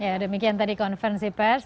ya demikian tadi konferensi pers